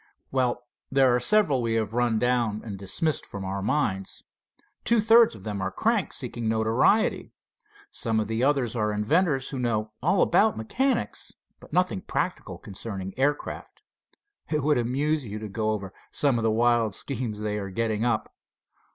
"Well, there are several we have run down and dismissed from our minds. Two thirds of them are cranks seeking notoriety. Some of the others are inventors who know all about mechanics, but nothing practical concerning aircraft. It would amuse you to go over some of the wild schemes they are getting up.